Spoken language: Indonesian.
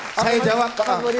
oke jawab pak